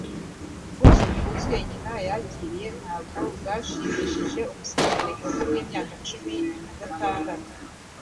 Ubwuzu bwuzuye nyina yakiriye ntabwo bwashimishije umusirikare mukuru wimyaka cumi nagatandatu.